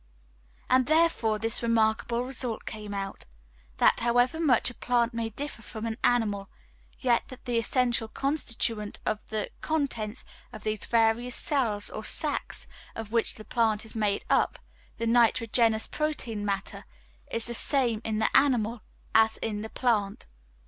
And therefore this remarkable result came out that however much a plant may differ from an animal, yet that the essential constituent of the contents of these various cells or sacs of which the plant is made up, the nitrogenous protein matter, is the same in the animal as in the plant.